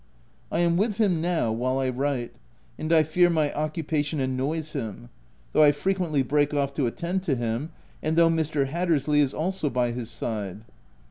I am with him now, while I write ; and I fear my occupation annoys him ; though I frequently break off to attend to him, and though Mr. Hattersley is also by his side.